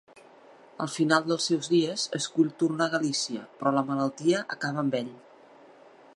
Al final dels seus dies escull tornar a Galícia, però la malaltia acaba amb ell.